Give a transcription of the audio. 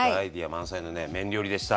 満載のね麺料理でした！